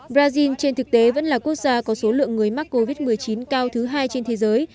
brazil trên thực tế vẫn là quốc gia có số lượng người mắc covid một mươi chín cao thứ hai trên thế giới